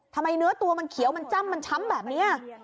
เนื้อตัวมันเขียวมันจ้ำมันช้ำแบบนี้